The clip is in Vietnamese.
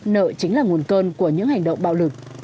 nợ chính là nguồn cơn của những hành động bạo lực